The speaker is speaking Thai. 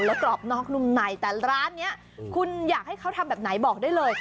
แล้วกรอบนอกนุ่มในแต่ร้านนี้คุณอยากให้เขาทำแบบไหนบอกได้เลย